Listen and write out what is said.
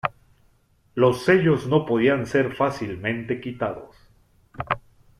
Los sellos no podían ser fácilmente quitados.